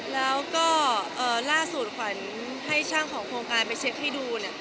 แล้วก็ล่าสุดขวัญให้ช่างของโครงการไปเช็คให้ดู